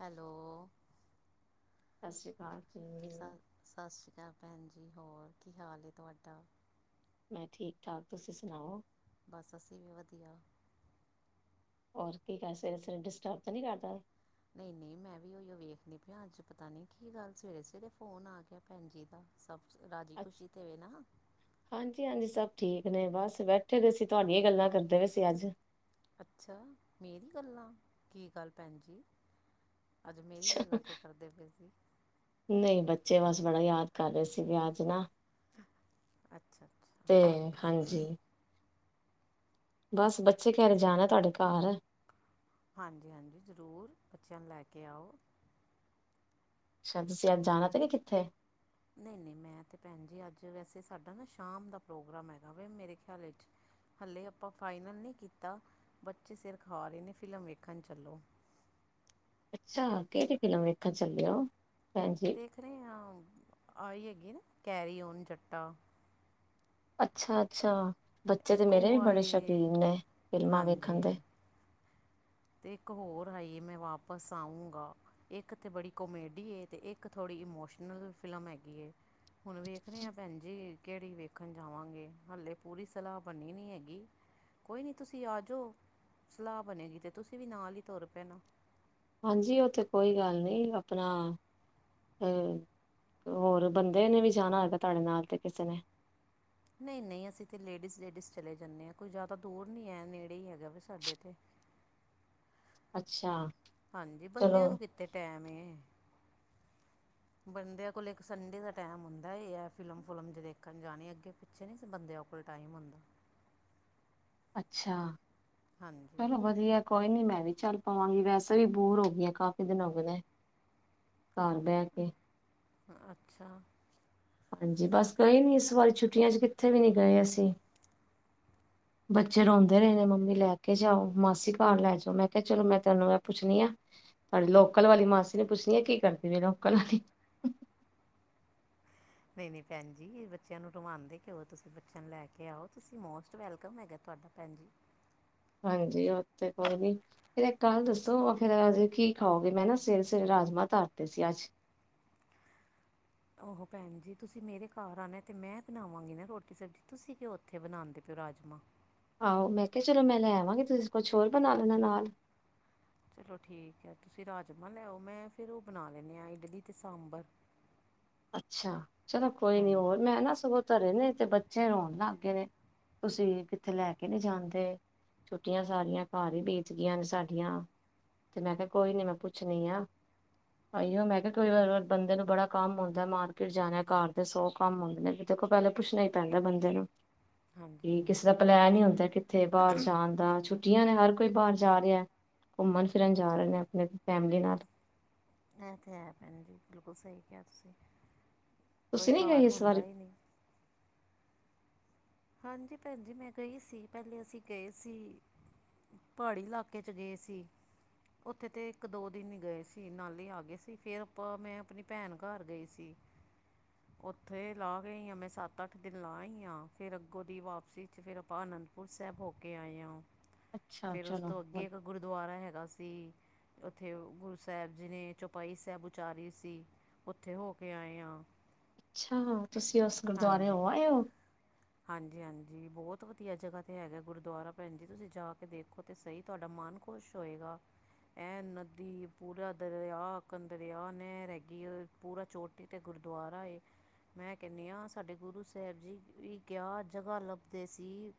Hello- ਸਤਿ ਸ੍ਰੀ ਅਕਾਲ! ਸ ਜੀ ਸਤਿ ਸ਼੍ਰੀ ਅਕਾਲ ਭੈਣ ਜੀ ਹੋਰ ਕੀ ਹਾਲ ਏ ਤੁਹਾਡਾ? ਮੈਂ ਠੀਕ ਠਾਕ ਤੁਸੀਂ ਸੁਣਾਓ? ਬਸ ਅਸੀਂ ਵੀ ਵਧੀਆ। ਹੋਰ ਕੀ ਕਰ ਸਵੇਰੇ-ਸਵੇਰੇ ਡਿਸਟਰਬ ਤੇ ਨਹੀ ਕਰਤਾ ਨਹੀਂ-ਨਹੀਂ ਮੈਂ ਵੀ ਉਹੀਓ ਵੇਖ ਨੀ ਪਿਆ ਅੱਜ ਪਤਾ ਨੀ ਕੀ ਗੱਲ ਸਵੇਰੇ ਸਵੇਰੇ ਫੋਨ ਆ ਗਿਆ ਪੈਣ ਜੀ ਦਾ ਸਬ ਰਾਜੀ ਅੱਛ ਖੁਸ਼ੀ ਤੇਵੇ ਨਾ ਹਾਂਜੀ ਹਾਂਜੀ ਸਭ ਠੀਕ ਨੇ ਬਸ ਬੈਠੇ ਦੇ ਸੀ ਤੁਹਾਡੀਆਂ ਹੀ ਗੱਲਾਂ ਕਰਦੇ ਵਏ ਸੀ ਅੱਜ ਅੱਛਾ ਮੇਰੀ ਗੱਲਾਂ ਕੀ ਗੱਲ ਪੈਣ ਜੀ ਅੱਜ ਮੇਰੀ ਗੱਲਾਂ ਕਿਉਂ ਕਰਦੇ ਪਏ ਸੀ? ਨਹੀਂ ਬੱਚੇ ਬਸ ਬੜਾ ਯਾਦ ਕਰ ਰਹੇ ਸੀਗੇ ਅੱਜ ਨਾ ਅੱਛਾ ਅੱਛਾ ਤੇ ਹਾਂਜੀ। ਬਸ ਬੱਚੇ ਕਹਿ ਰਹੇ ਜਾਣਾ ਤੁਹਾਡੇ ਘਾਰ ਹਾਂਜੀ-ਹਾਂਜੀ ਜ਼ਰੂਰ ਬੱਚਿਆਂ ਨੂੰ ਲੈ ਕੇ ਆਓ! ਅਛਾ। ਤੁਸੀਂ ਅੱਜ ਜਾਣਾ ਤੇ ਨੀ ਕਿੱਥੇ ਨਹੀਂ ਨਹੀਂ ਮੈਂ ਤੇ ਭੈਣ ਜੀ ਅੱਜ ਵੈਸੇ ਸਾਡਾ ਨਾ ਸ਼ਾਮ ਦਾ ਪ੍ਰੋਗਰਾਮ ਹੈਗਾ ਵ ਮੇਰੇ ਖਿਆਲ ਵਿੱਚ ਹਲੇੇ ਆਪਾਂ ਫਾਈਨਲ ਨਹੀਂ ਕੀਤਾ। ਬੱਚੇ ਸਿਰ ਖਾ ਰਹੇ ਨੇ ਫਿਲਮ ਵੇਖਣ ਚੱਲੋ ਅੱਛਾ। ਕਿਹੜੀ ਫ਼ਿਲਮ ਵੇਖਣ ਚੱਲੇ ਓ? ਦੇਖ ਰਹੇ ਹਾਂ। ਆਈ ਹੈਗੀਗੇ ਨਾ ਕੈਰੀਓਨ ਜੱਟਾ। ਅੱਛਾ ਅੱਛਾ ਬੱਚੇ ਤਾਂ ਇੱਕ ਮੇਰੇ ਉਹ ਵੀ ਬੜੇ ਆਈ ਏ ਸ਼ੌਕੀਨ ਨੇ ਫਿਲਮਾਂ ਵੇਖਣ ਦੇ ਤੇ ਇੱਕ ਹੋਰ ਆਈਏ ਮੈਂ ਵਾਪਿਸ ਆਊਂਗਾ ਇੱਕ ਤੇ ਬੜੀ ਕੋਮੇਡੀ ਏ ਤੇ ਇੱਕ ਥੋੜ੍ਹੀ ਇਮੋਸ਼ਨਲ ਫਿਲਮ ਹੈਗੀ ਹੈ। ਹੁਣ ਵੇਖਦੇ ਹਾਂ ਭੈਣ ਜੀ ਕੀ ਕਿਹੜੀ ਵੇਖਣ ਜਾਵਾਂਗੇ, ਹਾਲੇ ਪੂਰੀ ਸਲਾਹ ਬਣੀ ਨਹੀਂ ਹੈਗੀ। ਕੋਈ ਨਹੀਂ ਤੁਸੀਂ ਆ ਜਾਓ ਸਲਾਹ ਬਣੇਗੀ ਤੇ ਤੁਸੀਂ ਵੀ ਨਾਲ ਹੀ ਤੁਰ ਪੈਣਾ। ਹਾਂਜੀ। ਉਹਥੇ ਕੋਈ ਗੱਲ ਨਹੀਂ ਆਪਣਾ ਹ ਹੋਰ ਬੰਦੇ ਨੇ ਵੀ ਜਾਣਾ ਹੈਗਾ ਤੁਹਾਡੇ ਨਾਲ ਤੇ ਕਿਸੇ ਨੇ ਨਹੀਂ ਨਹੀਂ ਅਸੀਂ ਤੇ ਲੇਡੀਜ਼ ਲੇਡੀਜ਼ ਚਲੇ ਜਾਂਦੇ ਹਾਂ। ਕੋਈ ਜ਼ਿਆਦਾ ਦੂਰ ਨਹੀਂ ਹੈ ਨੇੜੇ ਹੀ ਹੈਗਾ ਵ ਸਾਡੇ ਤੋ ਅੱਛਾ ਹਾਂਜੀ ਚਲੋ ਬੰਦਿਆਂ ਨੂੰ ਕਿੱਥ ਟੈਮ ਏ ਬੰਦਿਆਂ ਕੋਲ ਇੱਕ ਸੰਡੇ ਦਾ ਟੈਮ ਹੁੰਦਾ ਐ। ਫਿਲਮ- ਫੁਲਮ ਚ ਦੇਖਣ ਜਾਣੀ। ਅੱਗੇ ਪਿੱਛੇ ਨੀ ਬੰਦੇ ਕੋਲ ਟਾਈਮ ਹੁੰਦਾਂ। ਅੱਛਾ ਹਾਂਜੀ ਚਲੋ ਵਧੀਆ। ਕੋਈ ਨੀ ਮੈਂ ਵੀ ਚੱਲ ਪਾਵਾਂਗੀ ਵੈਸੇ ਵੀ ਬੋਰ ਹੋ ਗਈਆਂ ਕਾਫੀ ਦਿਨ ਹੋ ਗੇ ਨੇ। ਘਰ ਬਹਿ ਕੇ ਅੱਛਾ ਹਾਂਜੀ। ਬਸ ਗਏ ਨੀ ਇਸ ਵਾਰੀ ਛੁੱਟੀਆਂ ਚ ਕਿੱਥੇ ਵੀ ਨਹੀਂੀ ਗਏ ਅਸੀਂ ਬੱਚੇ ਰੋਂਦੇ ਰਹੇ ਨੇ ਮੰਮੀ ਲੈ ਕੇ ਜਾਓ। ਮਾਸੀ ਘਰ ਲੈ ਜਾਓ। ਮੈਂ ਕਿਹਾ ਚਲੋ ਮੈਂ ਤੈਨੂੰ ਇਹ ਪੁੱਛਣੀ ਆ ਤੁਹਾਡੀੇ ਲੋਕਲ ਵਾਲੀ ਮਾਸੀ ਨੇ ਪੁੱਛਣੀ ਆ ਕੀ ਕਰਦੀ ਵੀੇ ਲੋਕਲ ਵਾਲੀ ਨਹੀਂ ਨਹੀਂ ਭੈਣ ਜੀ ਇਹ ਬੱਚਿਆਂ ਨੂੰ ਰੁਵਾਦੇ ਕਿਉ ਤੁਸੀਂ ਬੱਚਿਆਂ ਨੂੰ ਲੈ ਕੇ ਆਓ। ਤੁਸੀ ਮੋਸਟ ਵੈਲਕਮ ਹੈਗਾ। ਤੁਹਾਡੀ ਭੈਣ ਜੀ। ਹਾਂਜੀ ਉਹ ਤੇ ਕੋਈ ਨੀ ਫੇਿਰ ਇੱਕ ਗੱਲ ਦੱਸੋ ਫੇਰ ਅਜੇ ਕੀ ਖਾਓਗੇ ਮੈਂ ਨਾ ਸਵੇਰੇ ਸਵੇਰੇ ਰਾਜਮਾ ਤਾਰਦੇ ਸੀ ਅੱਜ ਉਹ ਭੈਣ ਜੀ ਤੁਸੀਂ ਮੇਰੇ ਘਰ ਆਉਣਾ ਤੇ ਮੈਂ ਬਣਾਵਾਂਗੀ ਨਾ ਰੋਟੀ ਸਬਜ਼ੀ ਤੁਸੀਂ ਕਿਉਂ ਉੱਥੇ ਬਣਾਂਦੇ ਪੈ ਓ ਰਾਜਮਾਂ ਆਹੋ ਮੈਂ ਕਿਹਾ ਚਲੋ ਮੈਂ ਲੈ ਆਵਾਂਗੀ ਤੁਸੀਂ ਕੁਛ ਹੋਰ ਬਣਾ ਲੈਣਾ ਨਾਲ ਚਲੋ ਠੀਕ ਹੈ। ਤੁਸੀਂ ਰਾਜਮਾਂ ਲੈਓ ਮੈਂ ਫਿਰ ਉਹ ਬਣਾ ਲੈਂਦੇ ਹਾਂ ਇਡਲੀ ਤੇ ਸਾਂਬਰ। ਅੱਛਾ। ਚਲੋ ਕੋਈ ਨੀ ਹਾਂਜੀ ਹੋਰ ਮੈਂ ਨਾ ਸਗੋਂ ਧਰੇ ਨੇ ਤੇ ਬੱਚੇ ਰੋਣ ਲੱਗ ਗਏ ਨੇ ਤੁਸੀਂ ਕਿੱਥੇ ਲੈ ਕੇ ਨਹੀਂ ਜਾਂਦੇ। ਛੁੱਟੀਆਂ ਸਾਰੀਆਂ ਘਰ ਹੀ ਬੀਤ ਚ ਗਈਆਂ ਨੇ ਸਾਡੀਆਂ। ਤੇ ਮੈਂ ਕਿਹਾ ਕੋਈ ਨੀ ਮੈਂ ਪੁੱਛਣੀ ਆ। ਆਈਓ ਮੈਂ ਕਿਹਾ ਕੋਈ ਬੰਦੇ ਨੂੰ ਬੜਾ ਕੰਮ ਆਉਂਦਾ ਮਾਰਕਿਟ ਜਾਣਾ ਘਰ ਦੇ ਸੌ ਕੰਮ ਮੰਗਦੇ ਦੇਖੋ ਪਹਿਲਾਂ ਪੁੱਛਣਾ ਹੀ ਪੈਂਦਾ ਬੰਦੇ ਨੂੰ ਹਾਂਜੀ ਕਿ ਕਿਸੇ ਹਾਂਜੀ ਦਾ ਪਲੈਨ ਹੀ ਹੁੰਦਾ ਕਿੱਥੇ ਬਾਹਰ ਜਾਣ ਦਾ ਛੁੱ ਛੁਟੀਆਂ ਆਂ ਨੇ ਹਰ ਕੋਈ ਬਾਹਰ ਜਾ ਰਿਹਾ ਘੁੰਮਣ- ਫਿਰਨ ਜਾ ਰਹੇ ਨੇ ਆਪਣੇ ਫੈਮਲੀ ਨਾਲ। ਇਹ ਤੇ ਹੈ ਭੈਣ ਜੀ। ਬਿਲਕੁਲ ਸਹੀ ਕਿਹਾ ਤੁਸੀਂ ਕੋਈ ਤੁਸੀਂ ਨੀ ਗਏ ਘਰ ਇਸ ਵਾਰੀ ਹੁੰਦਾ ਹੀ ਨਹੀਂ। ਹਾਂਜੀ ਭੈਣ ਜੀ, ਮੈਂ ਗਈ ਸੀ ਪਹਿਲੇ ਅਸੀਂ ਗਏ ਸੀ। ਪਹਾੜੀ ਇਲਾਕੇ ਚ ਗਏ ਸੀ। ਉੱਥੇ ਤੇ ਇੱਕ ਦੋ ਦਿਨ ਗਏ ਸੀ। ਨਾਲੇ ਆ ਗਏ ਸੀ ਫੇਿਰ ਆਪਾਂ ਮੈਂ ਆਪਣੀ ਭੈਣ ਘਰ ਗਈ ਸੀ। [unintelligible] ਉੱਥੇ ਲਾਹ ਆਈ ਆ। ਮੈਂ ਸੱਤ -ਅੱਠ ਦਿਨ ਲਾਹ ਆਾਂਈ ਆ। ਫਿਰ ਅੱਗੋਂ ਦੀ ਵਾਪਸੀ 'ਚ ਫਿਰ ਆਪਾਂ ਅਨੰਦਪੁਰ ਸਾਹਿਬ ਹੋ ਕੇ ਆਏ ਹਾਂ ਅੱਛਾ ਫੇਿਰ ਉਸ ਚਲੋ ਤੋਂ ਵ ਅੱਗੇ ਇੱਕ ਗੁਰਦੁਆਰਾ ਹੈਗਾ ਸੀ ਉੱਥੇ ਗੁਰੂ ਸਾਹਿਬ ਜੀ ਨੇ ਚੌਪਾਈ ਸਾਹਿਬ ਉਚਾਰੀ ਸੀ ਉੱਥੇ ਹੋ ਕੇ ਆਏ ਆ ਅੱਛਾ ਤੁਸੀਂ ਉਸ ਗੁਰਦੁਆਰੇ ਹੋ ਆਏ ਹੋ ਹਾਂਜੀ ਹਾਂਜੀ ਬਹੁਤ ਵਧੀਆ ਜਗ੍ਹਾ ਤੇ ਹੈਗਾ ਗੁਰਦੁਆਰਾ ਭੈਣ ਜੀ ਤੁਸੀਂ ਜਾ ਕੇ ਦੇਖੋ ਤੇ ਸਹੀ ਤੁਹਾਡਾ ਮਨ ਖੁਸ਼ ਹੋਏਗਾ ਇਹ ਨਦੀ ਪੂਰਾ ਦਰਿਆ ਕੰ ਦਰਿਆ ਨੇ ਰਹਿਗੀ ਪੂਰਾ ਚੋਟੀ ਤੇ ਗ ਗੁਰਦੁਆਾਰਰਾ ਏ ਮੈਂ ਕਹਿੰਦੀ ਹਾਂ ਸਾਡੇ ਗੁਰੂ ਸਾਹਿਬ ਜੀ ਵੀ ਕਿਆ ਜਗ੍ਹਾ ਲੱਭਦੇ ਸੀ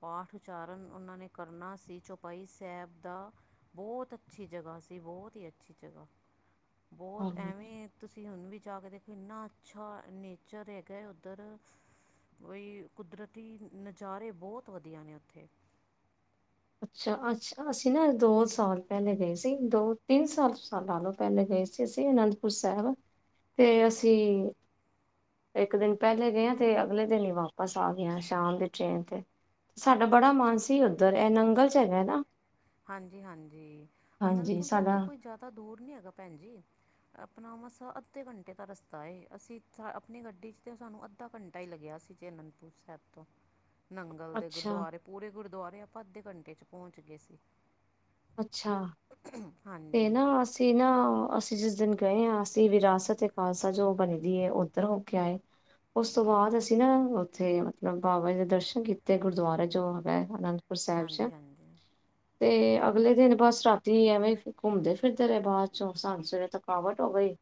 ਪਾਠ ਉਚਾਰਨ ਉਹਨਾਂ ਨੇ ਕਰਨਾ ਸੀ ਚੌਪਾਈ ਸਾਹਿਬ ਦਾ ਬਹੁਤ ਅੱਛੀ ਜਗ੍ਹਾ ਸੀ ਬਹੁਤ ਹੀ ਅੱਛੀ ਜਗ੍ਹਾ ਬਹੁਤ ਆਹੋ। ਐਵੇਂ ਤੁਸੀਂ ਹੁਣ ਵੀ ਜਾ ਕੇ ਦੇਖੋ ਇਨਾ ਅੱਛਾ ਨੇਚਰ ਹੈਗਾ ਉੱਧਰ ਬਈ ਕੁਦਰਤੀ ਨਜ਼ਾਰੇ ਬਹੁਤ ਵਧੀਆ ਨੇ ਉੱਥੇ ਅੱਛਾ ਅੱਛਾ ਅਸੀਂ ਨਾ ਦੋ ਸਾਲ ਪਹਿਲੇ ਗਏ ਸੀ ਦੋ ਤਿੰਨ ਸਾਲ ਸਾਲਾਂ ਲਓ ਪਹਿਲੇ ਗਏ ਗਏ ਸੀ ਅਸੀਂ ਅਨੰਦਪੁਰ ਸਾਹਿਬ ਤੇ ਅਸੀਂ ਇੱਕ ਦਿਨ ਪਹਿਲੇ ਗਏ ਤੇ ਅਗਲੇ ਦਿਨ ਹੀ ਵਾਪਸ ਆ ਗਿਆ ਸ਼ਾਮ ਦੀ ਟ੍ਰੇਨ ਤੇ ਸਾਡਾ ਬੜਾ ਮਨ ਅੱਛਾ ਸੀ ਉੱਧਰ ਇਹ ਨੰਗਲ ਚ ਰਿਹਾ ਨਾ ਹਾਂਜੀ ਹਾਂਜੀ ਹਾਂਜੀ ਅਨੰਦਪੁਰ ਸਾਹਿਬ ਸਾਡਾ ਤੋਂ ਕੋਈ ਜ਼ਿਆਦਾ ਦੂਰ ਨੀ ਹੈਗਾ ਭੈਣ ਜੀ ਆਪਣਾ ਮਸ ਅੱਧੇ ਘੰਟੇ ਦਾ ਰਸਤਾ ਏ ਅਸੀਂ ਆਪਣੀ ਗੱਡੀ 'ਚ ਤਾਂ ਸਾਨੂੰ ਅੱਧਾ ਘੰਟਾ ਹੀ ਲੱਗਿਆ ਸੀ ੀਚ ਅਨੰਦਪੁਰ ਸਾਹਿਬ ਤੋਂ ਨੰਗਲ ਦੇ ਅੱਛਾ ਗੁਰਦੁਆਰੇ ਪੂਰੇ ਗੁਰਦੁਆਰੇ ਆਪਾਂ ਅੱਧੇ ਘੰਟੇ 'ਚ ਪਹੁੰਚ ਗਏ ਸੀ ਅੱਛਾ ਤੇ ਹਾਂਜੀ ਨਾ ਅਸੀਂ ਨਾ ਅ ਸੀਂ ਜਿਸ ਦਿਨ ਗਏ ਹਾਂ ਅਸੀਂ ਵਿਰਾਸਤ ਏ ਖਾਲਸਾ ਜੋ ਬਣੀਦੀ ਹੈ ਉੱਧਰ ਹੋ ਕੇ ਆਏ ਉਸ ਤੋਂ ਬਾਅਦ ਅਸੀਂ ਨਾ ਉੱਥੇ ਮਤਲਬ ਬਾਬਾ ਜੀ ਦੇ ਦਰਸ਼ਨ ਕੀਤੇ ਗੁਰਦੁਆਰੇ ਜੋ ਹੈਗਾ ਆਨੰਦ ਹਾਂਜੀ ਹਾਂਜੀ ਤੇ ਅਗਲੇ ਦਿਨ ਬਸ ਰਾਤੀ ਹੀ ਐਵੇਂ ਘੁੰਮਦੇ ਫਿਰਦੇ ਰਹੇ ਬਾਅਦ ਚੋਂ ਸਾਨੂੰ ਸਵੇਰੇ ਥਕਾਵਟ ਹੋ ਗਈ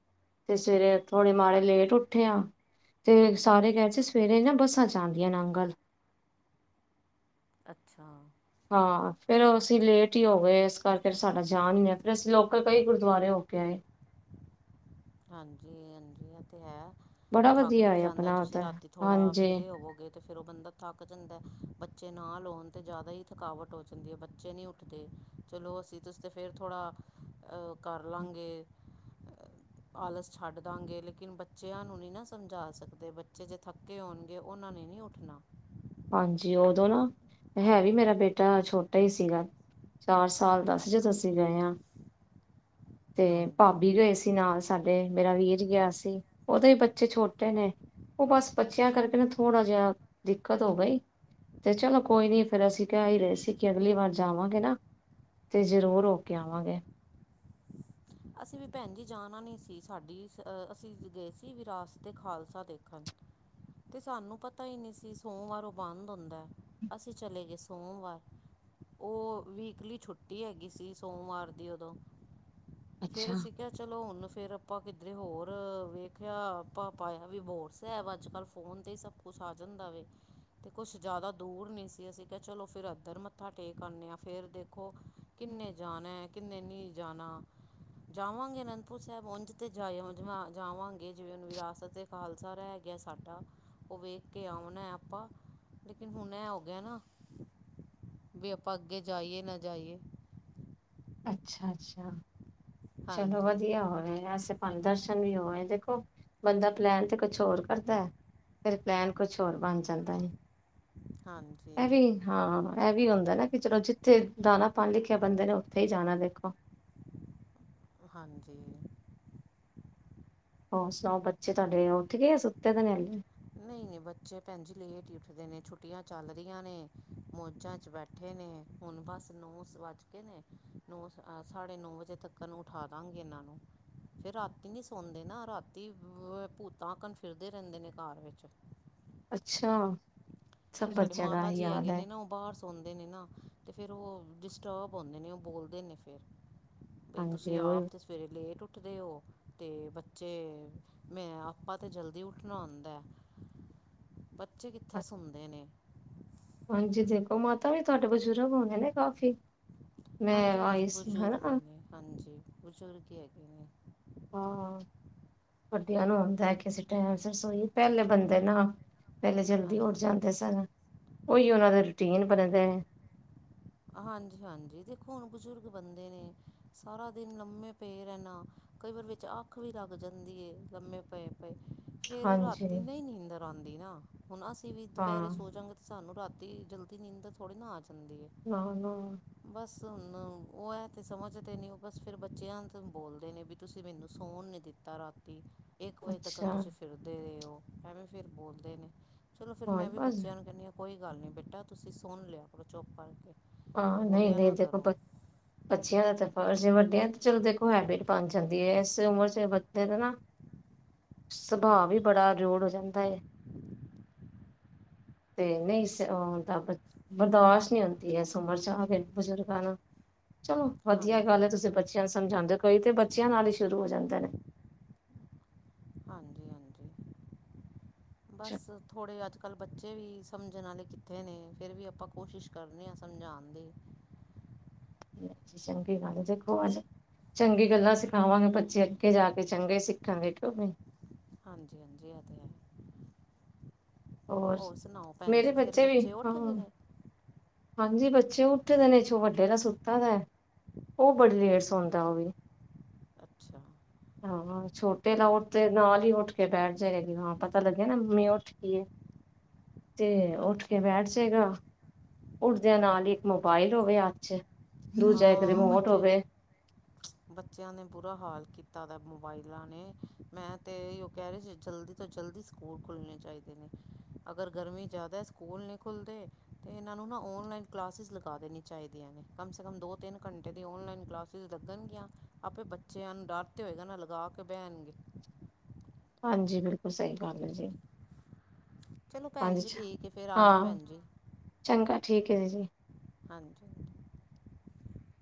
ਤੇ ਸਵੇਰੇ ਥੋੜੇ ਮਾੜੇ ਲੇਟ ਉੱਠੇ ਆ ਤੇ ਸਾਰੇ ਕਹਿ ਸੀ ਸਵੇਰੇ ਨਾ ਬੱਸਾਂ ਜਾਂਦੀਆਂ ਨੇ ਨੰਗਲ। ਅੱਛਾ ਹਾਂ, ਫੇਰ ਅਸੀਂ ਲੇਟ ਹੀ ਹੋ ਗਏ। ਇਸ ਕਰਕੇ ਸਾਡਾ ਜਾਣ ਨੀ ਹੋਇਆ। ਫਿਰ ਅਸੀਂ ਲੋਕਲ ਕਈ ਗੁਰਦੁਆਰੇ ਹੋ ਓਕੇ ਹਾਂਜੀ ਹਾਂਜੀ ਆ ਤੇ ਹੈ ਬੜਾ ਥੱਕ ਵਧੀਆ ਵੀ ਹੈ ਜਾਂਦਾ ਆਪਣਾ ਤੁਸੀਂ ਉਧਰ ਰਾਤੀ ਥੋੜਾ ਹਾਂਜੀ ਫਿਰੇ ਹੋਵੋਗੇ ਅਤੇ ਫਿਰ ਉਹ ਬੰਦਾ ਥੱਕ ਜਾਂਦਾ ਬੱਚੇ ਨਾ ਲਾਉਣ ਤਾਂ ਜ਼ਿਆਦਾ ਹੀ ਥਕਾਵਟ ਹੋ ਜਾਂਦੀ ਹੈ ਬੱਚੇ ਨਹੀਂ ਉੱਠਦੇ ਚਲੋ ਅਸੀਂ ਤੁਸੀ ਤੇ ਫੇਿਰ ਥੋੜ੍ਹਾ ਅਹ ਕਰ ਲਾਂਗੇ ਆਲਸ ਛੱਡ ਦਾਂਗੇ ਲੇਕਿਨ ਬੱਚਿਆਂ ਨੂੰ ਨਹੀਂ ਨਾ ਸਮਝਾ ਸਕਦੇ ਬੱਚੇ ਜੇ ਥੱਕੇ ਹੋਣਗੇ ਉਹਨਾਂ ਨੇ ਨਹੀਂ ਉੱਠਣਾ ਹਾਂਜੀ ਉਦੋਂ ਨਾ ਹੈ ਵੀ ਮੇਰਾ ਬੇਟਾ ਛੋਟਾ ਹੀ ਸੀਗਾ ਚਾਰ ਸਾਲ ਦੱਸ ਚ ਤੁਸੀਂ ਗਏ ਹ ਤੇ ਹਾਂਜੀ ਭਾਬੀ ਗਏ ਸੀ ਨਾਲ ਸਾਡੇ ਮੇਰਾ ਵੀ ਇਹ ਗਿਆ ਸੀ ਉਹਦੇ ਹੀ ਬੱਚੇ ਛੋਟੇ ਨੇ ਉਹ ਬਸ ਬੱਚਿਆਂ ਕਰਕੇ ਨਾ ਥੋੜਾ ਜਿਹਾ ਕਦੋਂ ਬਈ ਤੇ ਚਲੋ ਕੋਈ ਨਹੀਂੀ ਫਿਰ ਅਸੀਂ ਕਹਿ ਹੀ ਰਹੇ ਸੀ ਕਿ ਅਗਲੀ ਵਾਰ ਜਾਵਾਂਗੇ ਨਾ ਤੇ ਜ਼ਰੂਰ ਹੋ ਕੇ ਆਵਾਂਗੇ ਅਸੀਂ ਵੀ ਭੈਣ ਜੀ ਜਾਣਾ ਨਹੀਂ ਸੀ ਸਾਡੀ ਅਸੀਂ ਗਏ ਸੀ ਵਿਰਾਸ ਤੇ ਖਾਲਸਾ ਦੇਖਣ ਤੇ ਸਾਨੂੰ ਪਤਾ ਹੀ ਨਹੀਂ ਸੀ ਸੋਮਵਾਰ ਉਹ ਬੰਦ ਹੁੰਦਾ ਅਸੀਂ ਚਲੇ ਗਏ ਸੋਮਵਾਰ ਉਹ ਵੀਕਲੀ ਛੁੱਟੀ ਹੈਗੀ ਸੀ ਸੋਮਵਾਰ ਦੀ ਉਦੋਂ ਅੱਛਾ ਫੇਰ ਅਸੀਂ ਕਿਹਾ ਚਲੋ ਹੁਣ ਫੇਿਰ ਆਪਾਂ ਕਿੱਧਰੇ ਹੋਰ ਵੇਖਿਆ ਆਪਾਪਾਇਆ ਵੀ ਬੋਰਸਹਿਬ ਅੱਜ ਕੱਲ ਫੋਨ ਤੇ ਹੀ ਸਭ ਕੁੱਛ ਆ ਜਾਂਦਾ ਹੁੰਦਾ ਵੇ ਤੇ ਕੁਛ ਜ਼ਿਆਦਾ ਦੂਰ ਨੀ ਸੀ। ਅਸੀਂ ਕਿਹਾ ਚਲੋ ਫੇਰ ਅੱਧਰ ਮੱਥਾ ਟੇਕ ਆਉਂਦੇ ਹਾਂ। ਫੇਰ ਦੇਖੋ ਕਿੰ ਕਿਨੇ ਜਾਣਾ ਹੈ, ਕਿੰਨੇ ਨਹੀਂ ਜਾਣਾ ਜਾਵਾਂਗੇ ਅਨੰਦਪੁਰ ਸਾਹਿਬ ਉਝ ਤੇ ਜਾ ਜਾਵਾਂਗੇ, ਜਿਵੇਂ ਉਹਨੂੰ ਵਿਰਾਸਤ ਖਾਲਸਾ ਰਹਿ ਗਿਆ ਸਾਡਾ ਉਹ ਵੇਖ ਕੇ ਆਉਣਾ ਆਪਾਂ, ਲੇਕਿਨ ਹੁਣ ਐ ਹੋ ਗਿਆ ਨਾ ਵੀ ਆਪਾਂ ਅੱਗੇ ਜਾਈਏ ਨਾ ਜਾਈਏ ਅੱਛਾ -ਅੱਛਾ, ਚਲੋ ਹਾਂਜੀ ਵਧੀਆ ਹੋਵੇ ਸ ਦਰਸ਼ਨ ਵੀ ਹੋਵੇ ਦੇਖੋ ਬੰਦਾ ਪਲੈਣ ਤੇ ਕੁਛ ਹੋਰ ਕਰਦਾ ਹੈ ਫ ਪਲੈਨ ਕੁਛ ਹੋਰ ਬਣ ਜਾਂਦਾ ਐ। ਹਾਂਜੀ ਇਹ ਵੀ ਹਾਂ ਇਹ ਵੀ ਹੁੰਦਾ ਹੁੰਦਾ ਨਾ ਕਿ ਚਲੋ ਜਿੱਥੇ ਦਾਣਾ -ਪਾਣੀ ਲਿਖਿਆ ਬੰਦੇ ਨੇ ਉੱਥੇ ਹੀ ਜਾਣਾ ਦੇਖੋ। ਜੀ ਹੋਰ ਸੁਣਾਓ ਬੱਚੇ ਤੁਹਾਡੇ ਉੱਥੇ ਗਏ, ਸੁੱਤੇ ਤੇ ਨੇਲੇ ਨਹੀ -ਨਹੀਂ, ਬੱਚੇ ਭੈਣ ਜ ਲੇਟ ਹੀ ਉੱਠਦੇ ਨੇ ਛੁੱਟੀਆਂ ਚੱਲਦੀਹੀਆਂ ਨੇ ਮੌਜਾਂ ਚ ਬੈਠੇ ਨੇ ਨੇ ਹੁਣ ਬਸ ਨੌ ਵੱਜ ਕੇ ਨੇ ਨੌ ਸਾਢੇ ਨੌ ਵਜੇ ਤੱਕ ਨੂੰ ਉਠਾ ਦਾਂਗੇ ਇਹ ਫੇਰ ਰਾਤੀ ਨੀ ਸੌਦੇ ਨਾ ਰਾਤੀ ਭੂਤਾਂ ਆਕਣ ਫਿਰਦੇ ਰਹਿੰਦੇ ਨੇ ਘਰ ਵਿੱਚ ਅੱਛਾ ਸਭ ਤੇ ਸਾਡੇ ਬੱਚਿਆਂ ਦਾ ਮਾਤਾ ਇਹੀ ਜੀ ਹਾਲ ਹੈਗੇ ਹੈ। ਨੇ ਨਾ ਉਹ ਬਾਹਰ ਸੁਣਦੇ ਨੇ ਨਾ ਅਤੇ ਫਿਰ ਉਹ ਡਿਸਟਰਬ ਹੁੰਦੇ ਨੇ ਉਹ ਬੋਲਦੇ ਨੇ ਫਿਰ ਬਈ ਹਾਂਜੀ, ਤੁਸੀਂ ਆਪ ਉਹੀ ਤੇ ਸਵੇਰੇ ਲੇਟ ਉੱਠਦੇ ਉਹ ਤੇ ਬੱਚੇ ਮੈਂ ਆਪਾਂ ਤਾਂ ਜਲਦੀ ਉੱਠਣਾ ਹੁੰਦਾ ਹੈ। ਬੱਚੇ ਕਿੱਥੇ ਸੁਣਦੇ ਨੇ ਹਾਂਜੀ, ਦੇਖੋ ਮਾਤਾ ਵੀ ਤੁਹਾਡੇ ਬਜ਼ੁਰਗ ਹੋ ਗਏ ਨੇ ਕਾਫੀ। ਹਾਂਜੀ- ਹਾਂਜੀ, ਬਜ਼ੁਰਗ ਹੀ ਨੇ। ਹਾਂਜੀ, ਬਜ਼ੁਰਗ ਹੀ ਹੈਗੇ ਨੇ। ਹਾਂ ਵਡੀਆਂ ਨੂੰ ਹੁੰਦਾ ਹੈ ਕਿ ਅਸੀਂ ਟੈਮ ਸਿਰ ਸੋਇਏ, ਪਹਿਲੇ ਬੰਦੇ ਨਾ ਪਹਿਲੇ ਜਲਦੀ ਉਠ ਹਾਂਜੀ ਜਾਂਦੇ ਸਨ, ਉਈ ਉਹਨਾਂ ਤਾਂ ਰੂਟੀਨ ਬਣਦਾ ਐ ਹਾਂਜੀ ਹਾਂਜੀ ਦੇਖੋ ਹੁਣ ਬਜ਼ੁਰਗ ਬੰਦੇ ਨੇ ਸਾਰਾ ਦਿਨ ਲੰਮੇ ਪਏ ਰਹਿਣਾ। ਕਈ ਵਾਰ ਵਿੱਚ ਅੱਖ ਵੀ ਲੱਗ ਜਾਂਦੀ ਹੈ ਲੰਮੇ ਪਏ -ਪਏ ਫੇਰ ਹਾਂਜੀ ਰਾਤੀ ਨਹੀਂ ਨੀਂਦਰ ਆਉਂਦੀ ਨਾ, ਹੁਣ ਅਸੀਂ ਵੀ ਦੁਪਹਿਰੇ ਹਾਂ। ਸੋ ਜਾਾਂਗੇ ਤੇ ਸਾਨੂੰ ਰਾਤੀ ਜਲਦੀ ਨੀਂਦਰ ਥੋੜੀ ਨਾ ਆ ਜਾਂਦੀ ਏ ਹਨ ਬਸ ਹੁਣ ਉਹ ਹੈ ਤਾਂ ਸਮਝ ਤਾਂ ਨਹੀਂ ਉਹ ਬਸ ਫਿਰ ਬੱਚਿਆਂ ਤੋਂ ਬੋਲਦੇ ਨੇ ਵੀ ਤੁਸੀਂ ਮੈਨੂੰ ਸੌਣ ਨਹੀਂ ਦਿੱਤਾ ਰਾਤੀ ਇੱਕ ਵਜੇ ਤੱਕ ਅੱਛਾ, ਤੁਸੀਂ ਫਿਰਦੇ ਰਹੇ ਹੋ ਐਵੇਂ ਫਿਰ ਬੋਲਦੇ ਨੇ ਚਲੋ ਫਿਰ ਹੋਰ ਮੈਂ ਵੀ ਬਸ ਬੱਚਿਆਂ ਨੂੰ ਕਹਿੰਦੀ ਹਾਂ ਕੋਈ ਗੱਲ ਨੀ ਬੇਟਾ ਤੁਸੀਂ ਸੁੋਣ ਲਿਆ ਕਰੋ ਚੁੱਪ ਕਰਕੇ ਹਾਂ, ਨਹੀਂ- ਬੋਲਿਆ ਨਹੀਂ ਨਾ ਦੇਖੋ ਕਰੋ ਬੱਚਿਆਂ ਦਾ ਤਾ ਫਰਜ ਹੈ ਵੱਡਿਆਂ ਤੇ ਚਲੋ ਦੇਖੋ ਹੈਬਿਟ ਬਣ ਜਾਂਦੀ ਹੈ ਇਸ ਉਮਰ ਚ ਬਦੇ ਦੇ ਨਾ ਸੁਭਾਅ ਵੀ ਬੜਾ ਰੁੜ ਹੋ ਜਾਂਦਾ ਹੈ। ਤੇ ਨਹੀਂ ਹਦਾ ਬਰਦਾਸ਼ਤ ਨਹੀਂ ਹੁੰਦਾ ਤੇ ਇਸ ਉਮਰ ਚ ਆਕੇ, ਬਜ਼ੁਰਗਾਂ ਨਾਲ, ਚਲੋ ਵਧੀਆ ਹਾਂਜੀ ਗੱਲ ਹੈ ਤੁਸੀਂ ਬੱਚਿਆਂ ਨੂੰ ਸਮਝਾਉਂਦੇ ਕੋਈ ਤੇ ਬੱਚਿਆਂ ਨਾਲ ਹੀ ਸ਼ੁਰੂ ਹੋ ਜਾਂਦੇ ਨੇ ਹਾਂਜੀ- ਹਾਂਜੀ ਬਸ ਥੋੜੇ ਅੱਜ -ਕੱਲ ਕੱਲ੍ਹ ਬੱਚੇ ਵੀ ਸਮਝਣ ਵਾਲੇ ਕਿੱਥੇ ਨੇ ਫਿਰ ਵੀ ਆਪਾਂ ਕੋਸ਼ਿਸ਼ ਕਰਨੇ ਹਾਂ ਸਮਝਾਉਣ ਦੀ ਚੰਗੀ ਗੱਲ ਹੈ ਦੇਖੋ ਅੱਜ ਚੰਗੀ ਗੱਲਾਂ ਸਿਖਾਵਾਂਗੇ ਬੱਚੇ ਅੱਗੇ ਜਾ ਕੇ ਚੰਗੇ ਸਿੱਖਾਂਗੇ ਕਿਉਂ ਨਹੀਂ। ਹਾਂਜੀ-ਹਾਂਜੀ ਇਹ ਤੇ ਹੈ। ਹੋਰ ਸੁਣਾਓ ਭੈਣ ਮੇਰੇ ਜੀ ਫਿਰ ਵੀ ਬੱਚੇ ਹਾਂ ਉੱਠ ਗਏ ਨੇ ਹਾਂਜੀ ਬੱਚੇ ਉੱਠਦੇ ਨੇ ਵੱਡੇ ਦਾ ਸੁੱਤਾ ਦਾ ਉਹ ਬੜੀ ਲੇਟ ਸੌਦਾ ਉਹ ਵੀ ਅੱਛਾ। ਹਾਂ ਛੋਟ ਤਾਂ ਉੱਠ ਤੇ ਨਾਲ ਹੀ ਉੱਠ ਕੇ ਬੈਠ ਜਾਏਗੀ ਹਾਂ ਪਤਾ ਲੱਗਿਆ ਨਾ ਮੰਮੀ ਉੱਠ ਗਈ ਏ। ਤੇ ਉੱਠ ਕੇ ਅੱਛਾ ਬੈਠ ਜਾਏਗਾ ਉੱਠਦਿਆਂ ਨਾਲ ਹੀ ਇੱਕ ਮੋਬਾਇਲ ਹੋ ਗਿਆ ਹੱਥ ਚ ਦੂਜਾ ਇੱਕ ਹਾਂ ਰਿਮੋਟ ਬੱਚੇ ਹੋਵੇ ਬੱਚਿਆਂ ਨੇ ਬ ਬੁਰਾ ਹਾਲ ਕੀਤਾ ਦਾ ਮੋਬਾਇਲਾਂ ਨੇ ਮੈਂ ਤੇ ਇਹ ਉਹ ਕਹਿ ਰਹੇ ਸੀ ਜਲਦੀ ਤੋਂ ਜਲਦੀ ਸਕੂਲ ਖੁੱਲ ਣੇ ਚਾਹੀਦੇ ਨੇ ਅਗਰ ਗਰਮੀ ਜ਼ਿਆਦਾ ਸਕੂਲ ਨਹੀਂ ਖੁੱਲ੍ਹਦੇ ਤਾਂ ਇਹਨਾਂ ਨੂੰ ਨਾ ਔਨਲਾਈਨ ਕਲਾਸਿਸ ਲਗਾ ਦੇਣੀਆਂ ਚਾਹੀਦੀਆਂ ਨੇ ਕਮ ਸੇ ਮ ਦੋ ਤਿੰਨ ਘੰਟੇ ਦੀ ਔਨਲਾਈਨ ਕਲਾਸਿਸ ਲੱਗਣਗੀਆਂ ਆਪੇ ਬੱਚਿਆਂ ਨੂੰ ਡਰ ਤੇ ਹੋਏਗਾ ਨਾ ਲਗਾ ਕੇ ਬਹਿ ਪੇਣਗੇ [inaudible] ਹਾਂਜੀ, ਬਿਲਕੁਲ ਸਹੀ ਗੱਲ ਏ ਜੀ। ਚਲੋ ਭੈਣ ਜੀ ਹਾਂਜੀ ਠੀਕ ਹੈ, ਫਿਰ ਆਣਾ ਹਾਂ ਭੈਣ ਜੀ। ਚੰਗਾ ਠੀਕ ਏ ਜੀ। ਹਾਂਜੀ-ਹਾਂਜੀ।